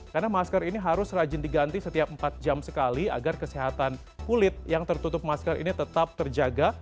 karena masker ini harus rajin diganti setiap empat jam sekali agar kesehatan kulit yang tertutup masker ini tetap terjaga